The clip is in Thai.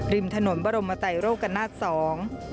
ริมถนนบรมไตโรกนาศสอง